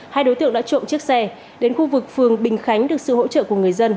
hai đối tượng đã trộm chiếc xe đến khu vực phường bình khánh được sự hỗ trợ của người dân